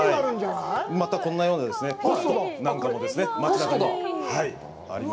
またこんなような、ポストなんかも、町なかにあります。